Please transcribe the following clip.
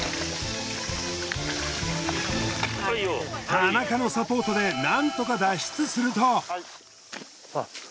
田中のサポートでなんとか脱出すると。